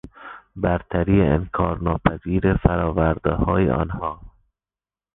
برتری انکارناپذیر فرآوردههای آنها